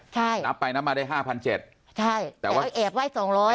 ใช่นับไปนับมาได้ห้าพันเจ็ดใช่แต่ว่าแอบไห้สองร้อย